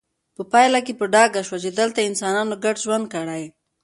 په پایله کې په ډاګه شوه چې دلته انسانانو ګډ ژوند کړی